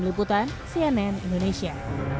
keliputan cnn indonesia